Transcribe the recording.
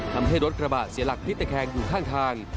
ทำให้รถกระบะเสียหลักพลิกตะแคงอยู่ข้างทาง